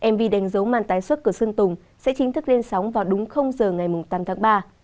mv đánh dấu màn tái xuất cửa sương tùng sẽ chính thức lên sóng vào đúng giờ ngày tám tháng ba